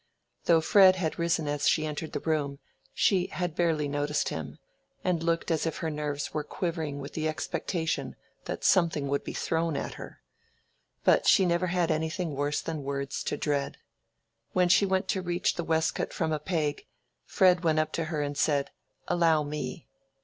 Though Fred had risen as she entered the room, she had barely noticed him, and looked as if her nerves were quivering with the expectation that something would be thrown at her. But she never had anything worse than words to dread. When she went to reach the waistcoat from a peg, Fred went up to her and said, "Allow me."